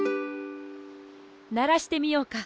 ならしてみようか。